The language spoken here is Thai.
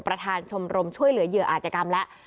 ประธานชมรมช่วยเหลือเหยื่ออาจกรรมและ